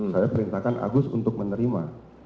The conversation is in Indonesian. saya perintahkan agus untuk menerima